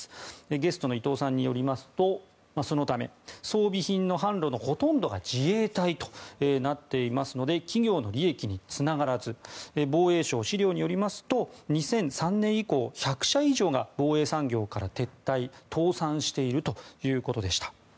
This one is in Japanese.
ゲストの伊藤さんによりますとそのため装備品の販路のほとんどが自衛隊となっていますので企業の利益につながらず防衛省資料によりますと２００３年以降、１００社以上が防衛産業から撤退・倒産しているということでした。